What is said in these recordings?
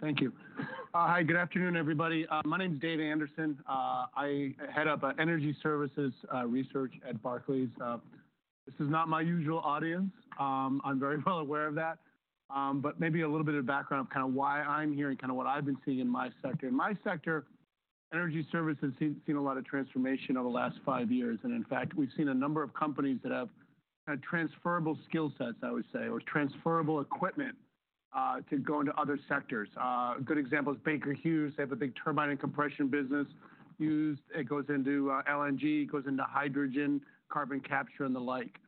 Thank you. Hi, good afternoon, everybody. My name's Dave Anderson. I head up Energy Services Research at Barclays. This is not my usual audience. I'm very well aware of that. But maybe a little bit of background of kind of why I'm here and kind of what I've been seeing in my sector. In my sector, energy services has seen a lot of transformation over the last five years, and in fact, we've seen a number of companies that have kind of transferable skill sets, I would say, or transferable equipment to go into other sectors. A good example is Baker Hughes. They have a big turbine and compression business. It goes into LNG, goes into hydrogen, carbon capture, and the like.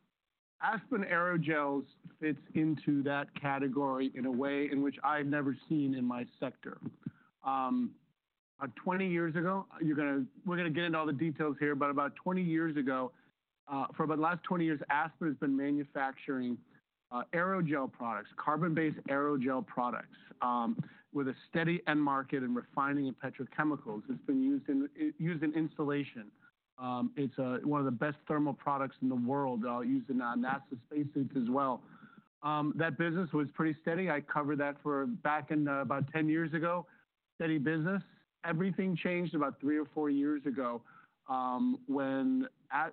Aspen Aerogels fits into that category in a way in which I've never seen in my sector. About 20 years ago, we're going to get into all the details here, but about 20 years ago, for about the last 20 years, Aspen has been manufacturing aerogel products, carbon-based aerogel products, with a steady end market in refining and petrochemicals. It's been used in insulation. It's one of the best thermal products in the world. I'll use it in our NASA spacesuit as well. That business was pretty steady. I covered that back in about 10 years ago. Steady business. Everything changed about three or four years ago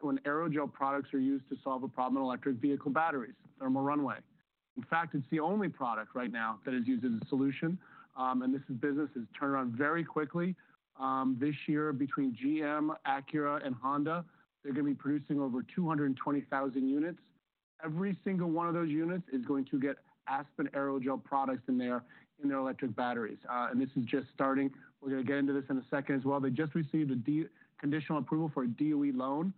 when aerogel products are used to solve a problem in electric vehicle batteries, thermal runaway. In fact, it's the only product right now that is used as a solution. This business has turned around very quickly. This year, between GM, Acura, and Honda, they're going to be producing over 220,000 units. Every single one of those units is going to get Aspen Aerogels products in their electric batteries. And this is just starting. We're going to get into this in a second as well. They just received a conditional approval for a DOE loan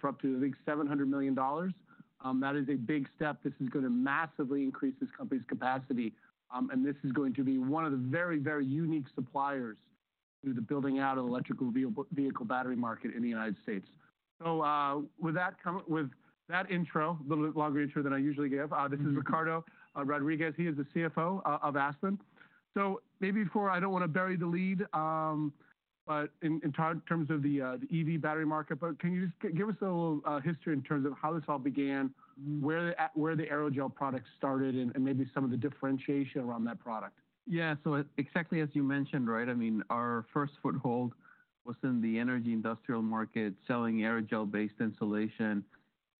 for up to, I think, $700 million. That is a big step. This is going to massively increase this company's capacity. And this is going to be one of the very, very unique suppliers to the building out of the electric vehicle battery market in the United States. So with that intro, a little bit longer intro than I usually give, this is Ricardo Rodriguez. He is the CFO of Aspen. So maybe before, I don't want to bury the lead, but in terms of the EV battery market, but can you just give us a little history in terms of how this all began, where the aerogel product started, and maybe some of the differentiation around that product? Yeah, so exactly as you mentioned, right? I mean, our first foothold was in the energy industrial market, selling aerogel-based insulation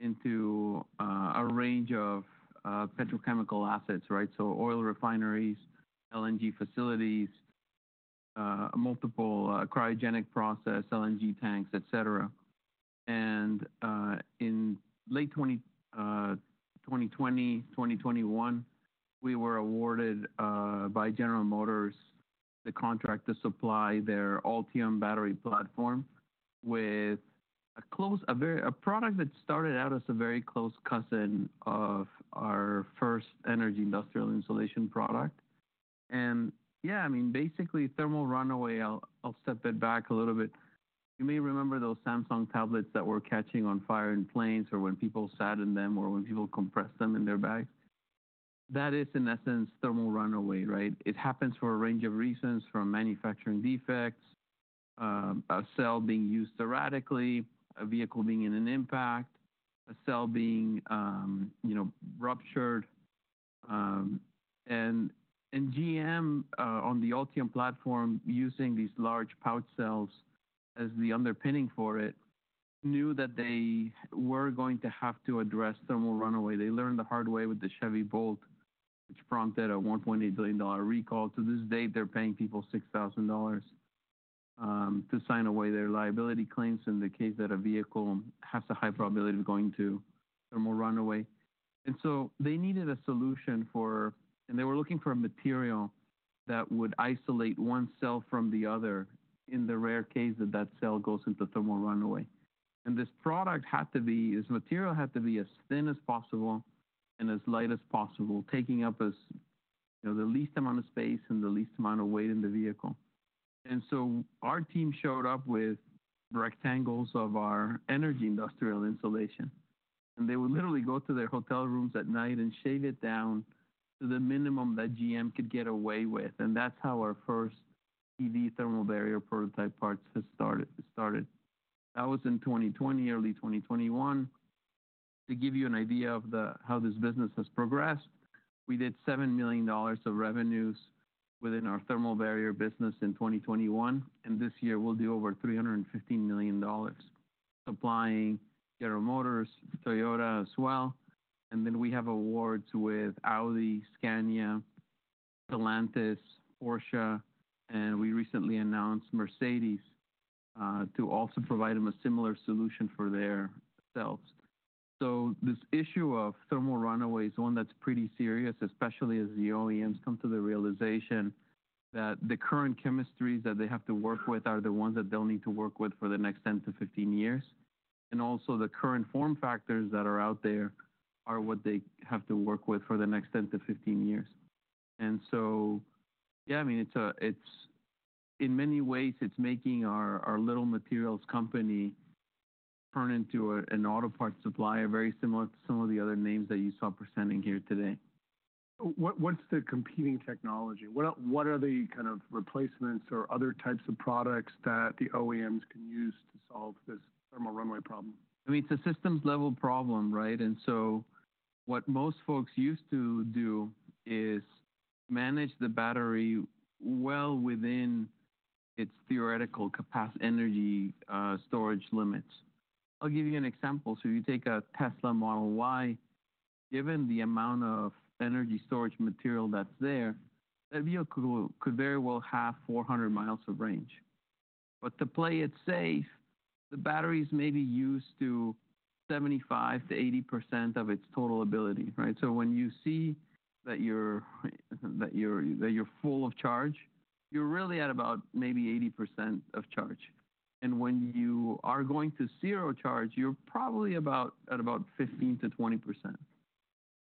into a range of petrochemical assets, right? So oil refineries, LNG facilities, multiple cryogenic process, LNG tanks, etc. And in late 2020, 2021, we were awarded by General Motors the contract to supply their Ultium battery platform with a product that started out as a very close cousin of our first energy industrial insulation product. And yeah, I mean, basically, thermal runaway, I'll step it back a little bit. You may remember those Samsung tablets that were catching on fire in planes or when people sat in them or when people compressed them in their bags. That is, in essence, thermal runaway, right? It happens for a range of reasons, from manufacturing defects, a cell being used erratically, a vehicle being in an impact, a cell being ruptured. GM, on the Ultium platform, using these large pouch cells as the underpinning for it, knew that they were going to have to address thermal runaway. They learned the hard way with the Chevy Bolt, which prompted a $1.8 billion recall. To this day, they're paying people $6,000 to sign away their liability claims in the case that a vehicle has a high probability of going to thermal runaway. So they needed a solution for, and they were looking for a material that would isolate one cell from the other in the rare case that that cell goes into thermal runaway. This product had to be, this material had to be as thin as possible and as light as possible, taking up the least amount of space and the least amount of weight in the vehicle. And so our team showed up with rectangles of our energy industrial insulation. And they would literally go to their hotel rooms at night and shave it down to the minimum that GM could get away with. And that's how our first EV thermal barrier prototype parts had started. That was in 2020, early 2021. To give you an idea of how this business has progressed, we did $7 million of revenues within our thermal barrier business in 2021. And this year, we'll do over $315 million supplying General Motors, Toyota as well. And then we have awards with Audi, Scania, Stellantis, Porsche, and we recently announced Mercedes to also provide them a similar solution for their cells. This issue of thermal runaway is one that's pretty serious, especially as the OEMs come to the realization that the current chemistries that they have to work with are the ones that they'll need to work with for the next 10 years-15 years. And also, the current form factors that are out there are what they have to work with for the next 10 years-15 years. And so, yeah, I mean, in many ways, it's making our little materials company turn into an auto parts supplier very similar to some of the other names that you saw presenting here today. What's the competing technology? What are the kind of replacements or other types of products that the OEMs can use to solve this thermal runaway problem? I mean, it's a systems-level problem, right? And so what most folks used to do is manage the battery well within its theoretical energy storage limits. I'll give you an example, so you take a Tesla Model Y. Given the amount of energy storage material that's there, that vehicle could very well have 400 mi of range, but to play it safe, the battery is maybe used to 75%-80% of its total ability, right? So when you see that you're full of charge, you're really at about maybe 80% of charge, and when you are going to zero charge, you're probably at about 15%-20%.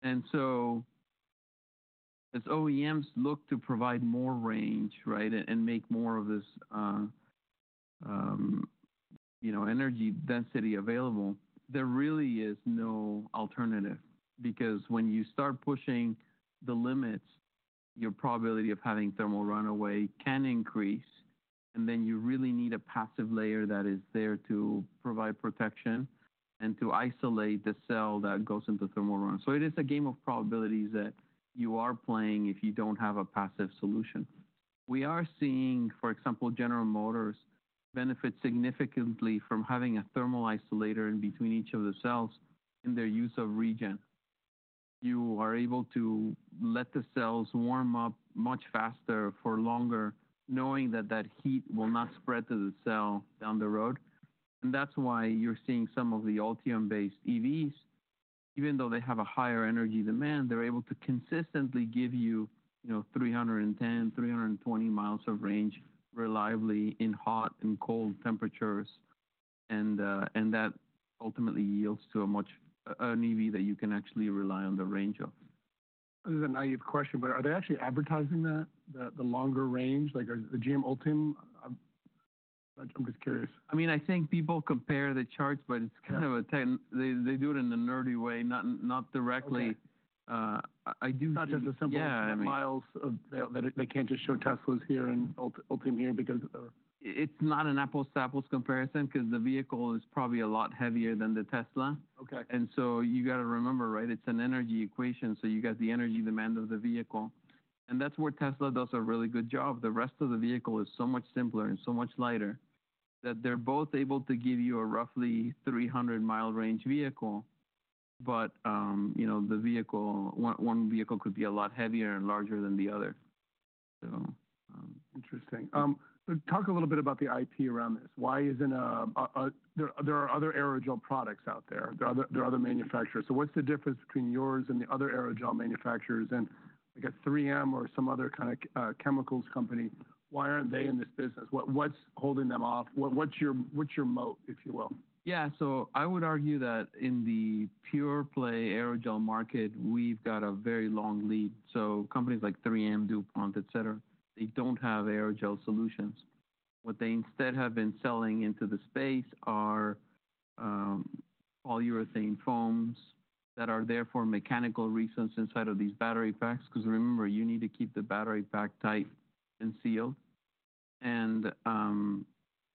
And so as OEMs look to provide more range, right, and make more of this energy density available, there really is no alternative, because when you start pushing the limits, your probability of having thermal runaway can increase. And then you really need a passive layer that is there to provide protection and to isolate the cell that goes into thermal runaway. So it is a game of probabilities that you are playing if you don't have a passive solution. We are seeing, for example, General Motors benefit significantly from having a thermal isolator in between each of the cells in their use of regen. You are able to let the cells warm up much faster for longer, knowing that that heat will not spread to the cell down the road. And that's why you're seeing some of the Ultium-based EVs. Even though they have a higher energy demand, they're able to consistently give you 310 mi-320 mi of range reliably in hot and cold temperatures. And that ultimately yields to an EV that you can actually rely on the range of. This is a naive question, but are they actually advertising that, the longer range? The GM Ultium? I'm just curious. I mean, I think people compare the charts, but it's kind of a tech they do it in a nerdy way, not directly. Not just a simple mi off they can't just show Teslas here and Ultium here because of. It's not an apples-to-apples comparison because the vehicle is probably a lot heavier than the Tesla. And so you got to remember, right, it's an energy equation. So you got the energy demand of the vehicle. And that's where Tesla does a really good job. The rest of the vehicle is so much simpler and so much lighter that they're both able to give you a roughly 300-mile range vehicle, but one vehicle could be a lot heavier and larger than the other. Interesting. Talk a little bit about the IP around this. There are other aerogel products out there. There are other manufacturers. So what's the difference between yours and the other aerogel manufacturers? And I guess 3M or some other kind of chemicals company, why aren't they in this business? What's holding them off? What's your moat, if you will? Yeah, so I would argue that in the pure-play aerogel market, we've got a very long lead. So companies like 3M, DuPont, etc., they don't have aerogel solutions. What they instead have been selling into the space are polyurethane foams that are there for mechanical reasons inside of these battery packs. Because remember, you need to keep the battery pack tight and sealed. And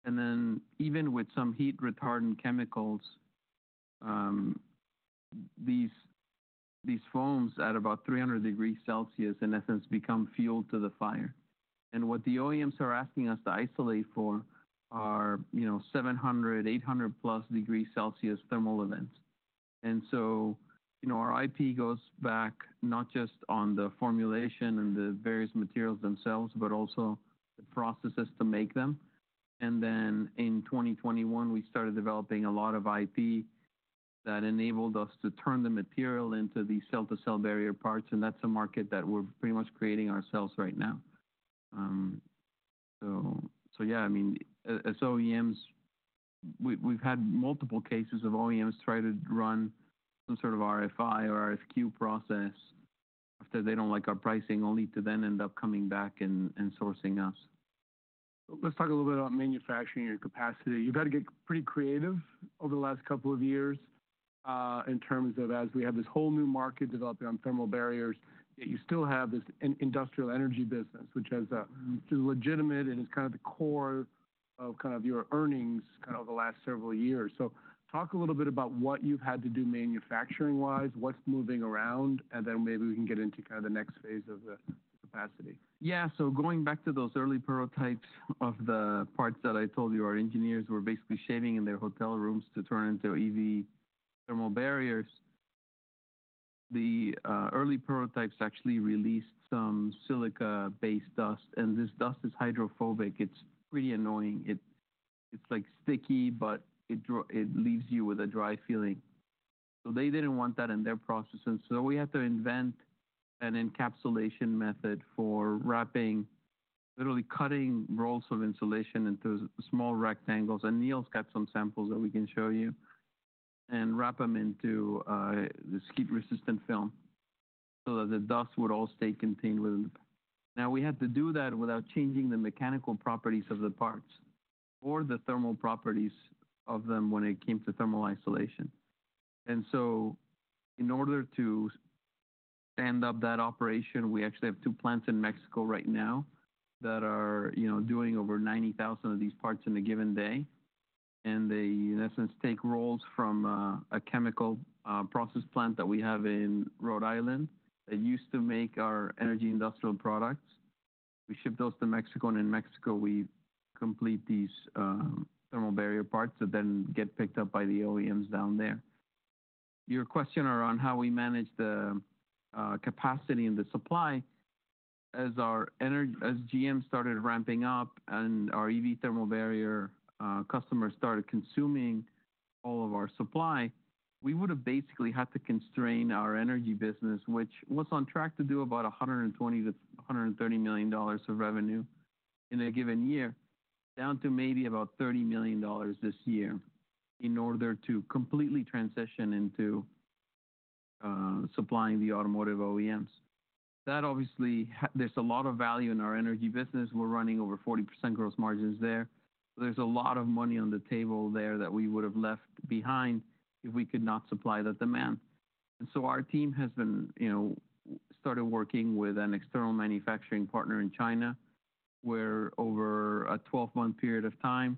then even with some heat-retardant chemicals, these foams at about 300 degrees Celsius, in essence, become fuel to the fire. And what the OEMs are asking us to isolate for are 700 degrees Celsius, 800+ degrees Celsius thermal events. And so our IP goes back not just on the formulation and the various materials themselves, but also the processes to make them. And then in 2021, we started developing a lot of IP that enabled us to turn the material into these cell-to-cell barrier parts. That's a market that we're pretty much creating ourselves right now. Yeah, I mean, as OEMs, we've had multiple cases of OEMs try to run some sort of RFI or RFQ process after they don't like our pricing, only to then end up coming back and sourcing us. Let's talk a little bit about manufacturing and your capacity. You've had to get pretty creative over the last couple of years in terms of, as we have this whole new market developing on thermal barriers, yet you still have this industrial energy business, which is legitimate and is kind of the core of kind of your earnings kind of over the last several years. So talk a little bit about what you've had to do manufacturing-wise, what's moving around, and then maybe we can get into kind of the next phase of the capacity. Yeah, so going back to those early prototypes of the parts that I told you, our engineers were basically shaving in their hotel rooms to turn into EV thermal barriers. The early prototypes actually released some silica-based dust, and this dust is hydrophobic. It's pretty annoying. It's like sticky, but it leaves you with a dry feeling. So they didn't want that in their process, and so we had to invent an encapsulation method for wrapping, literally cutting rolls of insulation into small rectangles. And Neil's got some samples that we can show you and wrap them into this heat-resistant film so that the dust would all stay contained within the. Now, we had to do that without changing the mechanical properties of the parts or the thermal properties of them when it came to thermal isolation. In order to stand up that operation, we actually have two plants in Mexico right now that are doing over 90,000 of these parts in a given day. They, in essence, take rolls from a chemical process plant that we have in Rhode Island that used to make our energy industrial products. We ship those to Mexico. In Mexico, we complete these thermal barrier parts that then get picked up by the OEMs down there. Your question around how we manage the capacity and the supply, as GM started ramping up and our EV thermal barrier customers started consuming all of our supply, we would have basically had to constrain our energy business, which was on track to do about $120 million-$130 million of revenue in a given year, down to maybe about $30 million this year in order to completely transition into supplying the automotive OEMs. That, obviously, there's a lot of value in our energy business. We're running over 40% gross margins there. There's a lot of money on the table there that we would have left behind if we could not supply the demand. Our team has started working with an external manufacturing partner in China where over a 12-month period of time,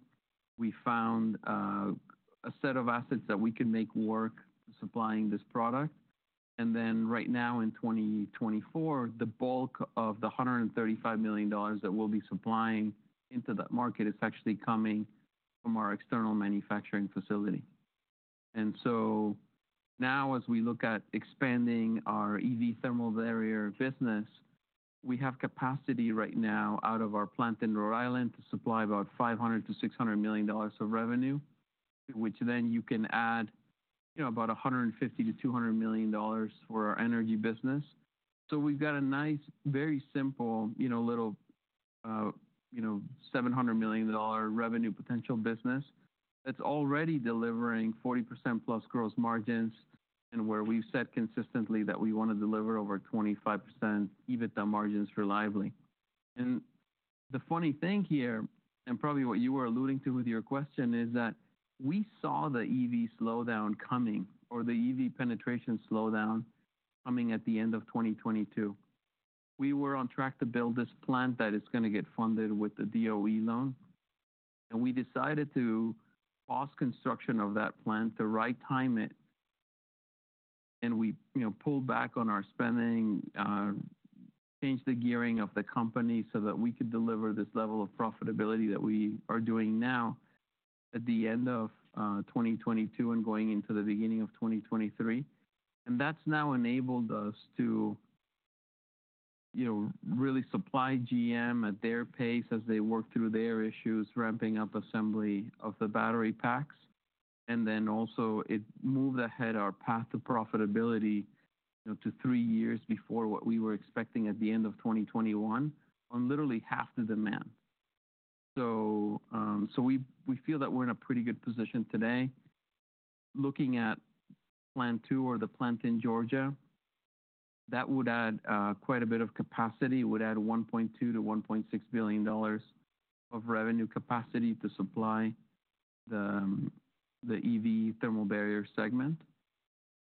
we found a set of assets that we could make work supplying this product. And then, right now, in 2024, the bulk of the $135 million that we'll be supplying into that market is actually coming from our external manufacturing facility. And so now, as we look at expanding our EV thermal barrier business, we have capacity right now out of our plant in Rhode Island to supply about $500 million-$600 million of revenue, which then you can add about $150 million-$200 million for our energy business. So we've got a nice, very simple little $700 million revenue potential business that's already delivering 40%+ gross margins and where we've said consistently that we want to deliver over 25% EBITDA margins reliably. And the funny thing here, and probably what you were alluding to with your question, is that we saw the EV slowdown coming or the EV penetration slowdown coming at the end of 2022. We were on track to build this plant that is going to get funded with the DOE loan, and we decided to pause construction of that plant to right-time it. And we pulled back on our spending, changed the gearing of the company so that we could deliver this level of profitability that we are doing now at the end of 2022 and going into the beginning of 2023. And that's now enabled us to really supply GM at their pace as they work through their issues, ramping up assembly of the battery packs. And then also, it moved ahead our path to profitability to three years before what we were expecting at the end of 2021 on literally half the demand, so we feel that we're in a pretty good position today. Looking at plant two or the plant in Georgia, that would add quite a bit of capacity, would add $1.2 billion-$1.6 billion of revenue capacity to supply the EV thermal barrier segment.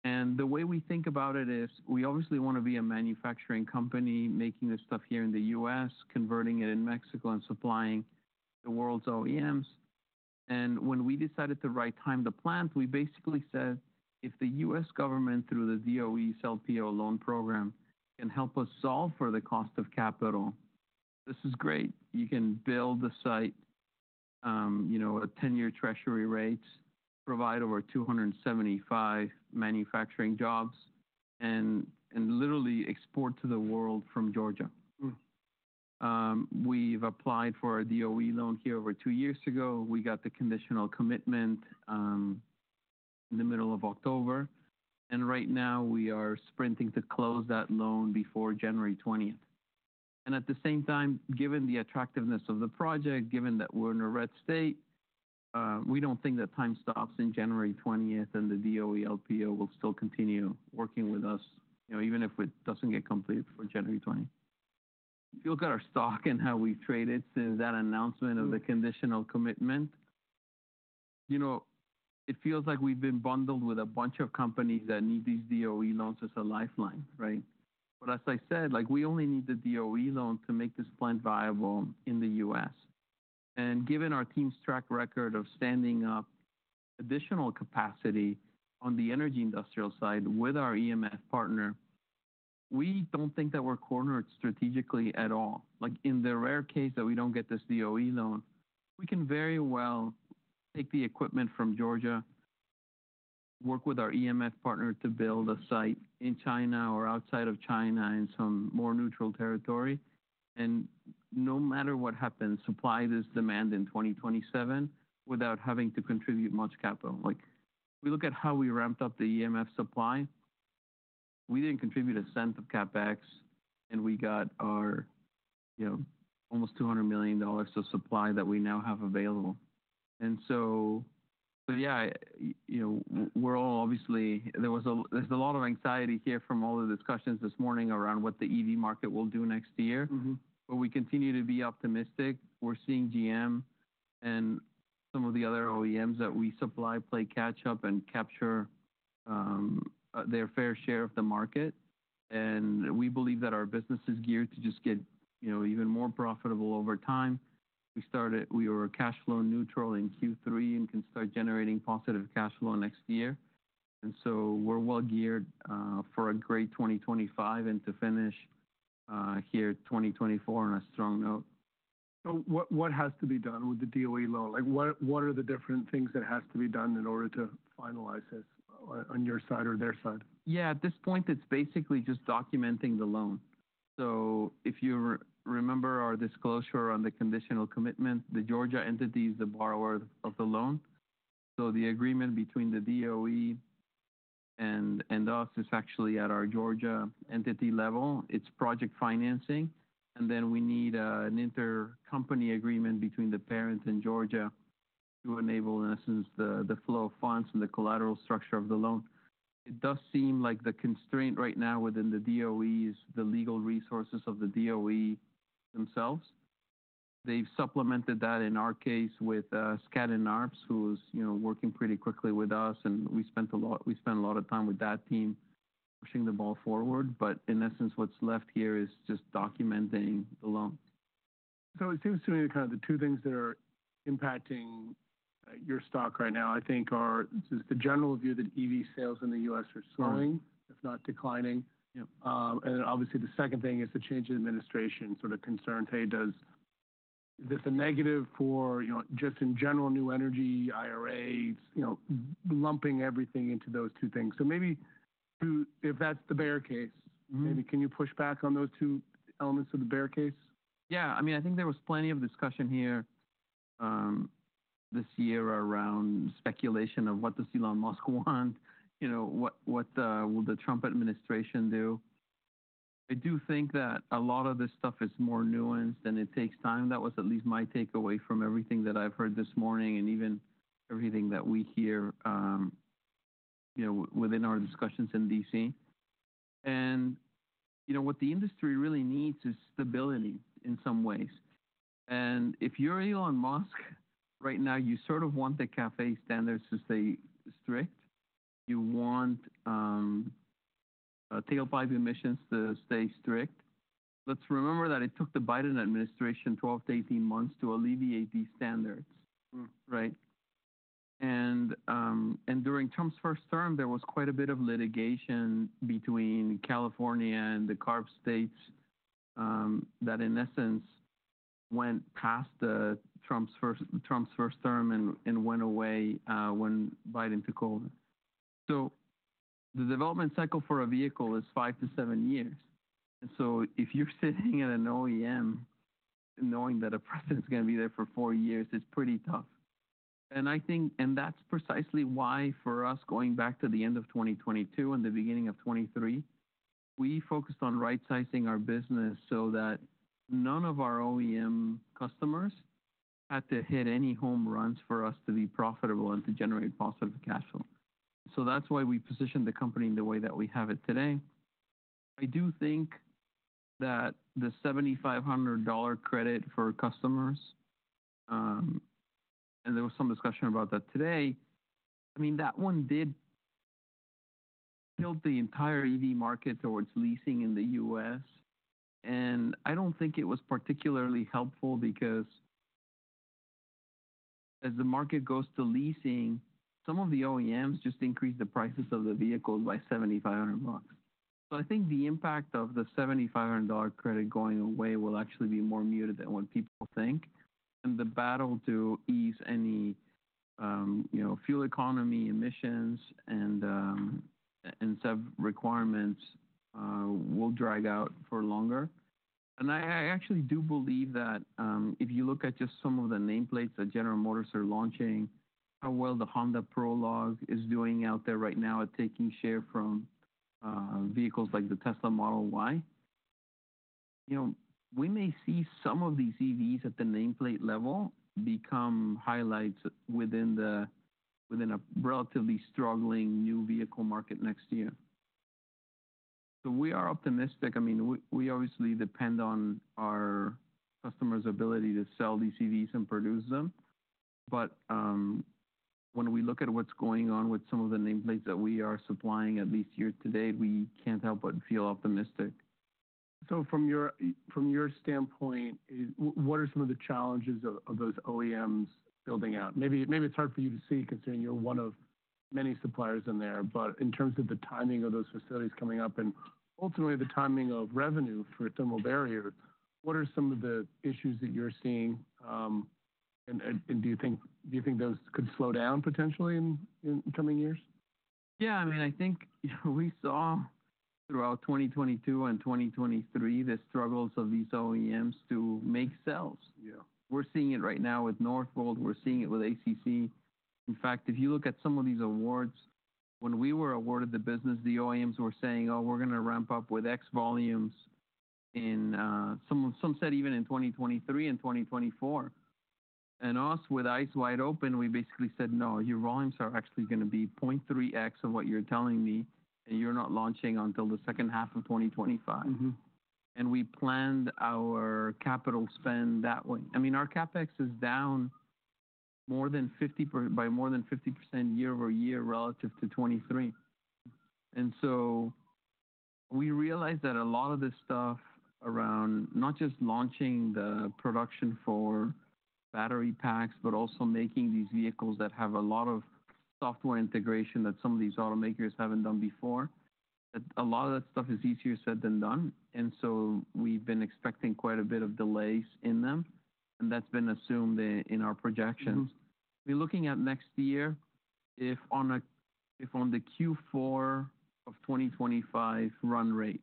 And the way we think about it is we obviously want to be a manufacturing company making this stuff here in the U.S., converting it in Mexico, and supplying the world's OEMs. And when we decided to right-time the plant, we basically said, "If the U.S. government through the DOE's LPO loan program can help us solve for the cost of capital, this is great. You can build the site at 10-year Treasury rates, provide over 275 manufacturing jobs, and literally export to the world from Georgia." We've applied for our DOE loan here over two years ago. We got the conditional commitment in the middle of October. Right now, we are sprinting to close that loan before January 20th. At the same time, given the attractiveness of the project, given that we're in a red state, we don't think that time stops in January 20th, and the DOE LPO will still continue working with us even if it doesn't get completed for January 20th. If you look at our stock and how we've traded since that announcement of the conditional commitment, it feels like we've been bundled with a bunch of companies that need these DOE loans as a lifeline, right? As I said, we only need the DOE loan to make this plant viable in the U.S. Given our team's track record of standing up additional capacity on the energy industrial side with our EMF partner, we don't think that we're cornered strategically at all. In the rare case that we don't get this DOE loan, we can very well take the equipment from Georgia, work with our EMF partner to build a site in China or outside of China in some more neutral territory, and no matter what happens, supply this demand in 2027 without having to contribute much capital. We look at how we ramped up the EMF supply. We didn't contribute a cent of CapEx, and we got our almost $200 million of supply that we now have available, and so, yeah, we're all obviously. There's a lot of anxiety here from all the discussions this morning around what the EV market will do next year, but we continue to be optimistic. We're seeing GM and some of the other OEMs that we supply play catch-up and capture their fair share of the market. We believe that our business is geared to just get even more profitable over time. We were cash flow neutral in Q3 and can start generating positive cash flow next year. So we're well geared for a great 2025 and to finish here 2024 on a strong note. So what has to be done with the DOE loan? What are the different things that have to be done in order to finalize this on your side or their side? Yeah, at this point, it's basically just documenting the loan. So if you remember our disclosure on the conditional commitment, the Georgia entity is the borrower of the loan. So the agreement between the DOE and us is actually at our Georgia entity level. It's project financing. And then we need an intercompany agreement between the parent and Georgia to enable, in essence, the flow of funds and the collateral structure of the loan. It does seem like the constraint right now within the DOE is the legal resources of the DOE themselves. They've supplemented that, in our case, with Skadden Arps, who is working pretty quickly with us. And we spent a lot of time with that team pushing the ball forward. But in essence, what's left here is just documenting the loan. So it seems to me kind of the two things that are impacting your stock right now, I think, are the general view that EV sales in the U.S. are slowing, if not declining. And obviously, the second thing is the change in administration sort of concerns. Is this a negative for just in general new energy IRAs, lumping everything into those two things? So maybe if that's the bear case, maybe can you push back on those two elements of the bear case? Yeah. I mean, I think there was plenty of discussion here this year around speculation of what does Elon Musk want, what will the Trump administration do. I do think that a lot of this stuff is more nuanced and it takes time. That was at least my takeaway from everything that I've heard this morning and even everything that we hear within our discussions in DC, and what the industry really needs is stability in some ways, and if you're Elon Musk right now, you sort of want the CAFE standards to stay strict. You want tailpipe emissions to stay strict. Let's remember that it took the Biden administration 12 months-18 months to alleviate these standards, right? And during Trump's first term, there was quite a bit of litigation between California and the CARB states that, in essence, went past Trump's first term and went away when Biden took over. So the development cycle for a vehicle is five to seven years. And so if you're sitting at an OEM knowing that a president's going to be there for four years, it's pretty tough. And that's precisely why, for us, going back to the end of 2022 and the beginning of 2023, we focused on right-sizing our business so that none of our OEM customers had to hit any home runs for us to be profitable and to generate positive cash flow. So that's why we positioned the company in the way that we have it today. I do think that the $7,500 credit for customers, and there was some discussion about that today, I mean, that one did tilt the entire EV market towards leasing in the U.S. And I don't think it was particularly helpful because as the market goes to leasing, some of the OEMs just increase the prices of the vehicles by $7,500. So I think the impact of the $7,500 credit going away will actually be more muted than what people think. And the battle to ease any fuel economy emissions and ZEV requirements will drag out for longer. I actually do believe that if you look at just some of the nameplates that General Motors are launching, how well the Honda Prologue is doing out there right now at taking share from vehicles like the Tesla Model Y, we may see some of these EVs at the nameplate level become highlights within a relatively struggling new vehicle market next year. We are optimistic. I mean, we obviously depend on our customers' ability to sell these EVs and produce them. When we look at what's going on with some of the nameplates that we are supplying at least here today, we can't help but feel optimistic. From your standpoint, what are some of the challenges of those OEMs building out? Maybe it's hard for you to see considering you're one of many suppliers in there. But in terms of the timing of those facilities coming up and ultimately the timing of revenue for thermal barriers, what are some of the issues that you're seeing? And do you think those could slow down potentially in coming years? Yeah. I mean, I think we saw throughout 2022 and 2023 the struggles of these OEMs to make sales. We're seeing it right now with Northvolt. We're seeing it with ACC. In fact, if you look at some of these awards, when we were awarded the business, the OEMs were saying, "Oh, we're going to ramp up with X volumes," and some said even in 2023 and 2024, and us, with eyes wide open, we basically said, "No, your volumes are actually going to be 0.3x of what you're telling me, and you're not launching until the second half of 2025," and we planned our capital spend that way. I mean, our CapEx is down by more than 50% year-over-year relative to 2023. And so we realized that a lot of this stuff around not just launching the production for battery packs, but also making these vehicles that have a lot of software integration that some of these automakers haven't done before, that a lot of that stuff is easier said than done. And so we've been expecting quite a bit of delays in them. And that's been assumed in our projections. We're looking at next year, if on the Q4 of 2025 run rate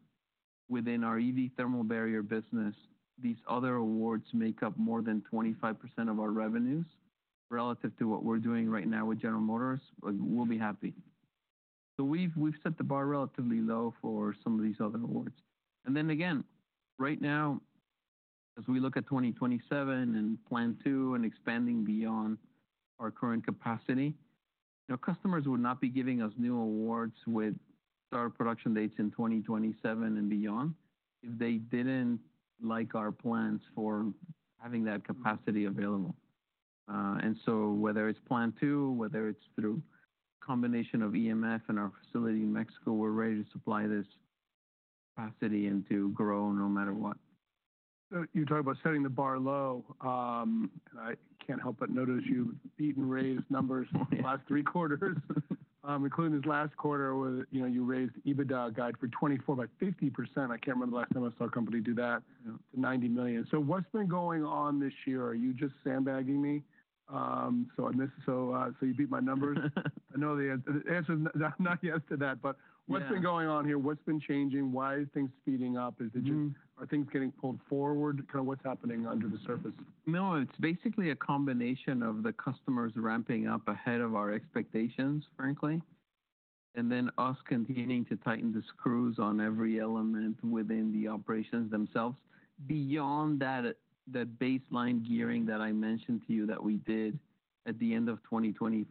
within our EV thermal barrier business, these other awards make up more than 25% of our revenues relative to what we're doing right now with General Motors, we'll be happy. So we've set the bar relatively low for some of these other awards. And then again, right now, as we look at 2027 and Plant Two and expanding beyond our current capacity, customers would not be giving us new awards with start of production dates in 2027 and beyond if they didn't like our plans for having that capacity available. And so whether it's Plant Two, whether it's through a combination of EMF and our facility in Mexico, we're ready to supply this capacity and to grow no matter what. You talk about setting the bar low. I can't help but notice you've beaten raised numbers in the last three quarters, including this last quarter where you raised EBITDA guide for 2024 by 50%. I can't remember the last time I saw a company do that to $90 million. So what's been going on this year? Are you just sandbagging me? So you beat my numbers. I know the answer is not yes to that. But what's been going on here? What's been changing? Why are things speeding up? Are things getting pulled forward? Kind of what's happening under the surface? No, it's basically a combination of the customers ramping up ahead of our expectations, frankly, and then us continuing to tighten the screws on every element within the operations themselves beyond that baseline gearing that I mentioned to you that we did at the end of 2022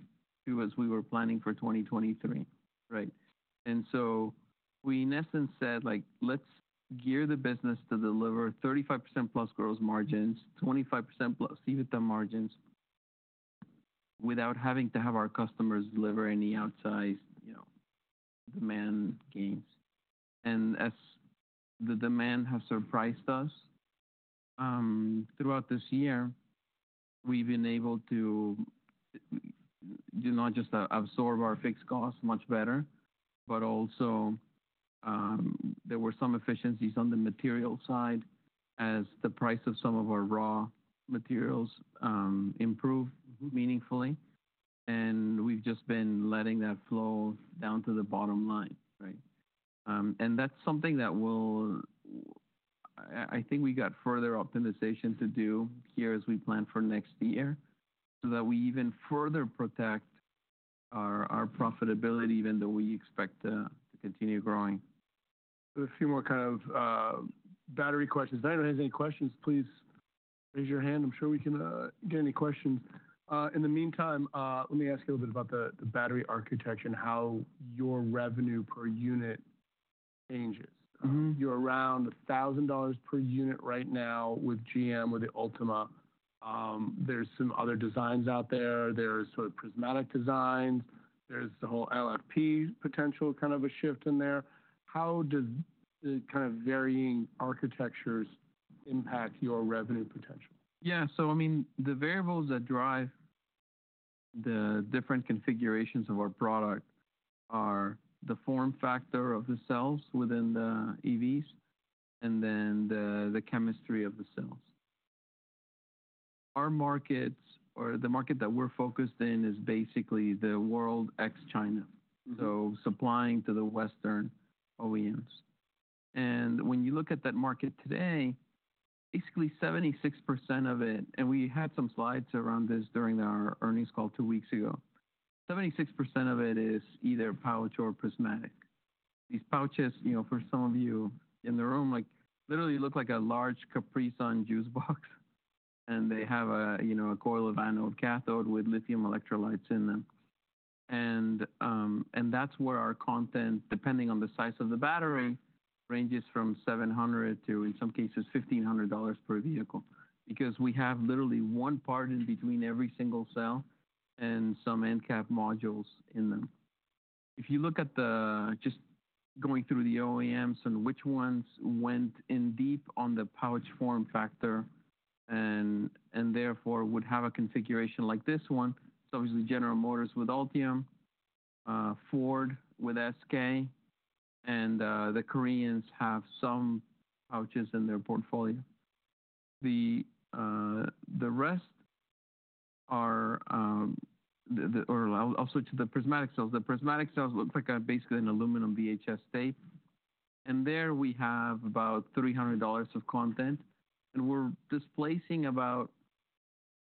as we were planning for 2023, right? And so we, in essence, said, "Let's gear the business to deliver 35%+ gross margins, 25%+ EBITDA margins without having to have our customers deliver any outsized demand gains." And as the demand has surprised us throughout this year, we've been able to not just absorb our fixed costs much better, but also there were some efficiencies on the material side as the price of some of our raw materials improved meaningfully. And we've just been letting that flow down to the bottom line, right? That's something that will, I think, we got further optimization to do here as we plan for next year so that we even further protect our profitability even though we expect to continue growing. A few more kind of battery questions. If anyone has any questions, please raise your hand. I'm sure we can get any questions. In the meantime, let me ask you a little bit about the battery architecture and how your revenue per unit changes. You're around $1,000 per unit right now with GM, with the Ultium. There's some other designs out there. There's sort of prismatic designs. There's the whole LFP potential, kind of a shift in there. How does the kind of varying architectures impact your revenue potential? Yeah. So I mean, the variables that drive the different configurations of our product are the form factor of the cells within the EVs and then the chemistry of the cells. Our markets, or the market that we're focused in, is basically the world ex-China, so supplying to the Western OEMs. And when you look at that market today, basically 76% of it, and we had some slides around this during our earnings call two weeks ago, 76% of it is either pouch or prismatic. These pouches, for some of you in the room, literally look like a large Capri Sun juice box, and they have a coil of anode-cathode with lithium electrolytes in them. That's where our content, depending on the size of the battery, ranges from $700-$1,500 per vehicle because we have literally one part in between every single cell and some end cap modules in them. If you look at just going through the OEMs and which ones went in deep on the pouch form factor and therefore would have a configuration like this one, it's obviously General Motors with Ultium, Ford with SK, and the Koreans have some pouches in their portfolio. The rest are also to the prismatic cells. The prismatic cells look like basically an aluminum VHS tape. There we have about $300 of content. We're displacing about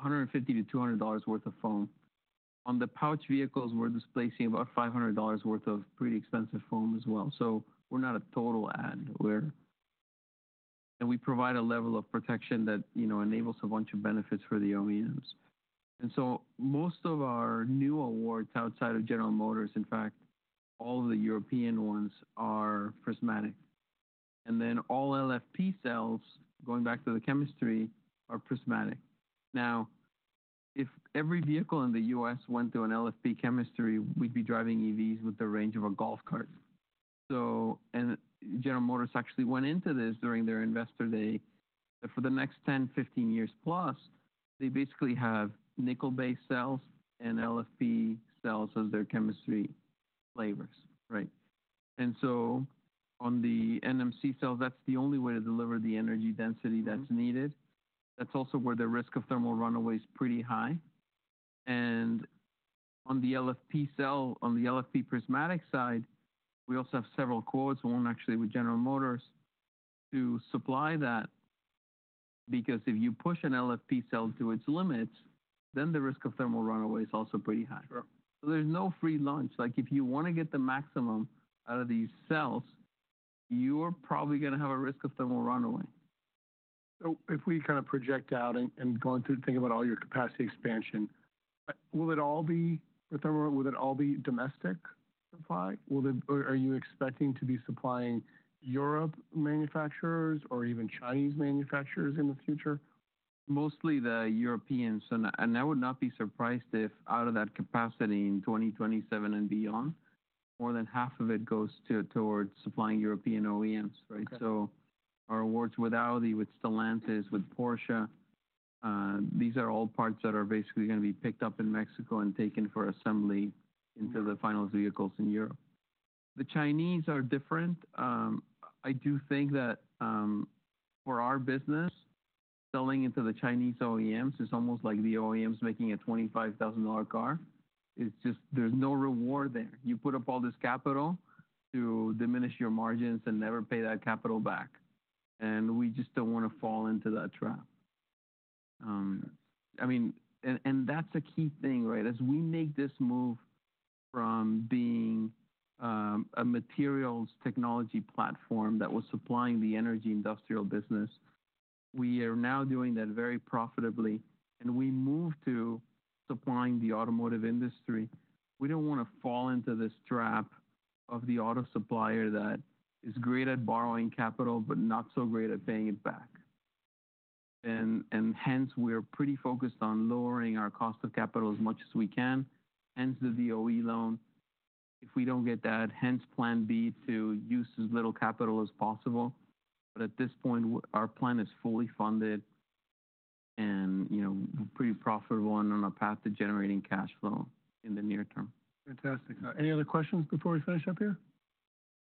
$150-$200 worth of foam. On the pouch vehicles, we're displacing about $500 worth of pretty expensive foam as well. We're not a total ad. We provide a level of protection that enables a bunch of benefits for the OEMs. Most of our new awards outside of General Motors, in fact, all of the European ones are prismatic. All LFP cells, going back to the chemistry, are prismatic. Now, if every vehicle in the U.S. went through an LFP chemistry, we'd be driving EVs with the range of a golf cart. General Motors actually went into this during their investor day that for the next 10years, 15+ years, they basically have nickel-based cells and LFP cells as their chemistry flavors, right? On the NMC cells, that's the only way to deliver the energy density that's needed. That's also where the risk of thermal runaway is pretty high. On the LFP prismatic side, we also have several quotes, one actually with General Motors, to supply that because if you push an LFP cell to its limits, then the risk of thermal runaway is also pretty high. So there's no free lunch. If you want to get the maximum out of these cells, you're probably going to have a risk of thermal runaway. So if we kind of project out and going to think about all your capacity expansion, will it all be for thermal? Will it all be domestic supply? Are you expecting to be supplying European manufacturers or even Chinese manufacturers in the future? Mostly the Europeans, and I would not be surprised if out of that capacity in 2027 and beyond, more than half of it goes towards supplying European OEMs, right? So our awards with Audi, with Stellantis, with Porsche, these are all parts that are basically going to be picked up in Mexico and taken for assembly into the final vehicles in Europe. The Chinese are different. I do think that for our business, selling into the Chinese OEMs is almost like the OEMs making a $25,000 car. It's just there's no reward there. You put up all this capital to diminish your margins and never pay that capital back, and we just don't want to fall into that trap. I mean, and that's a key thing, right? As we make this move from being a materials technology platform that was supplying the energy industrial business, we are now doing that very profitably. And we move to supplying the automotive industry. We don't want to fall into this trap of the auto supplier that is great at borrowing capital but not so great at paying it back. And hence, we're pretty focused on lowering our cost of capital as much as we can. Hence the DOE loan. If we don't get that, hence plan B to use as little capital as possible. But at this point, our plan is fully funded and pretty profitable and on a path to generating cash flow in the near term. Fantastic. Any other questions before we finish up here?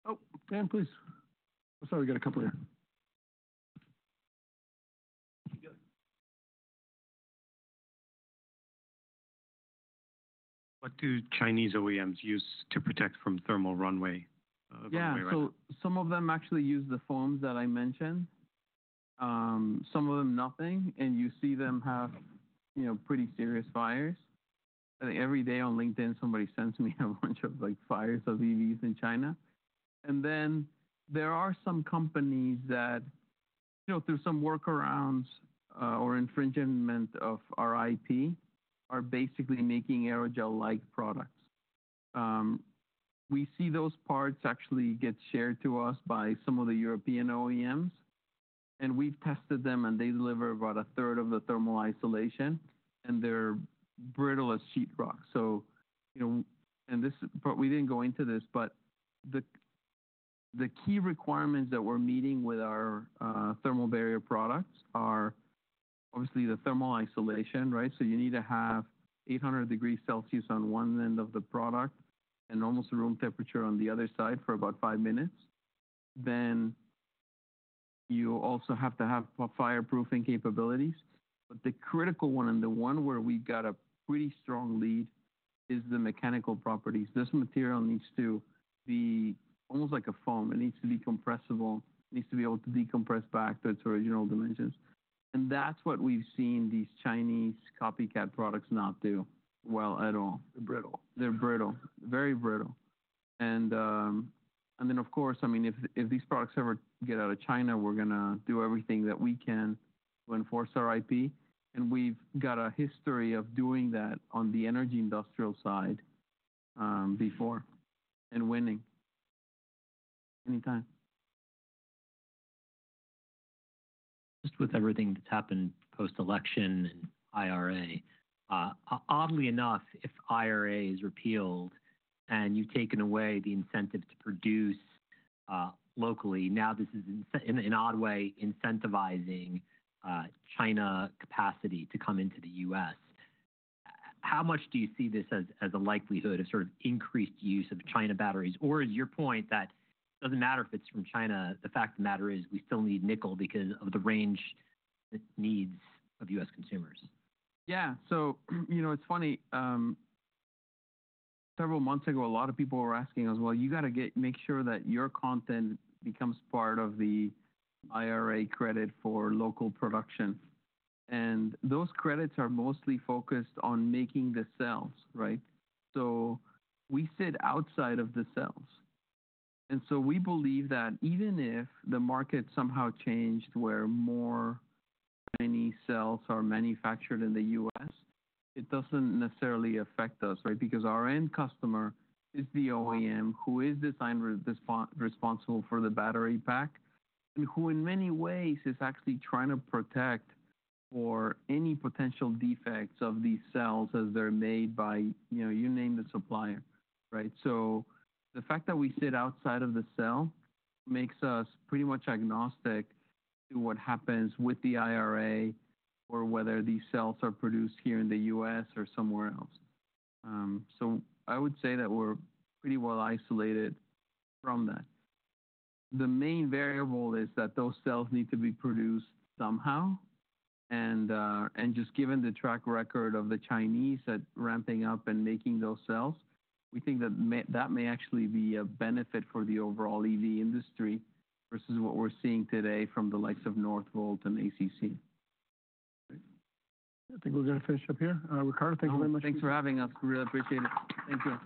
Oh, Dan, please. I'm sorry, we got a couple here. What do Chinese OEMs use to protect from thermal runaway? Yeah. So some of them actually use the foams that I mentioned. Some of them, nothing, and you see them have pretty serious fires. Every day on LinkedIn, somebody sends me a bunch of fires of EVs in China, and then there are some companies that, through some workarounds or infringement of our IP, are basically making aerogel-like products. We see those parts actually get shared to us by some of the European OEMs, and we've tested them, and they deliver about a third of the thermal isolation, and they're brittle as Sheetrock. We didn't go into this, but the key requirements that we're meeting with our thermal barrier products are obviously the thermal isolation, right, so you need to have 800 degrees Celsius on one end of the product and almost room temperature on the other side for about five minutes. Then you also have to have fireproofing capabilities. But the critical one and the one where we got a pretty strong lead is the mechanical properties. This material needs to be almost like a foam. It needs to be compressible. It needs to be able to decompress back to its original dimensions. And that's what we've seen these Chinese copycat products not do well at all. They're brittle. They're brittle. Very brittle. And then, of course, I mean, if these products ever get out of China, we're going to do everything that we can to enforce our IP. And we've got a history of doing that on the energy industrial side before and winning anytime. Just with everything that's happened post-election and IRA, oddly enough, if IRA is repealed and you've taken away the incentive to produce locally, now this is, in an odd way, incentivizing China capacity to come into the U.S. How much do you see this as a likelihood of sort of increased use of China batteries? Or is your point that it doesn't matter if it's from China, the fact of the matter is we still need nickel because of the range needs of U.S. consumers? Yeah. So it's funny. Several months ago, a lot of people were asking us, "Well, you got to make sure that your content becomes part of the IRA credit for local production." And those credits are mostly focused on making the cells, right? So we sit outside of the cells. And so we believe that even if the market somehow changed where more Chinese cells are manufactured in the U.S., it doesn't necessarily affect us, right? Because our end customer is the OEM who is responsible for the battery pack and who in many ways is actually trying to protect for any potential defects of these cells as they're made by, you name the supplier, right? So the fact that we sit outside of the cell makes us pretty much agnostic to what happens with the IRA or whether these cells are produced here in the U.S. or somewhere else. So I would say that we're pretty well isolated from that. The main variable is that those cells need to be produced somehow. And just given the track record of the Chinese at ramping up and making those cells, we think that that may actually be a benefit for the overall EV industry versus what we're seeing today from the likes of Northvolt and ACC. I think we're going to finish up here. Ricardo, thank you very much. Thanks for having us. We really appreciate it. Thank you.